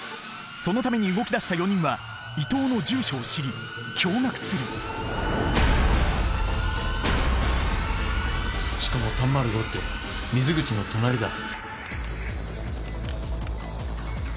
そのために動きだした４人は伊藤の住所を知り驚がくするしかも３０５って水口の隣だ。